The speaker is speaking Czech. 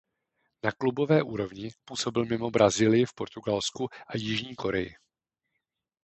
Na klubové úrovni působil mimo Brazílii v Portugalsku a Jižní Koreji.